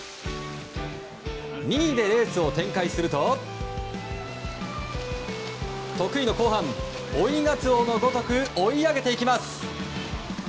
２位でレースを展開すると得意の後半、追いガツオのごとく追い上げています。